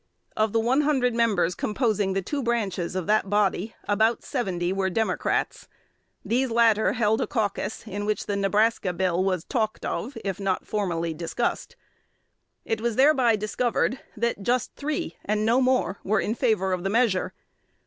Of the one hundred members composing the two branches of that body, about seventy were Democrats. These latter held a caucus, in which the Nebraska Bill was talked of, if not formally discussed. It was thereby discovered that just three, and no more, were in favor of the measure.